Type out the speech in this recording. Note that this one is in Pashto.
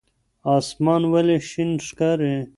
اسمان ولې شین ښکاري؟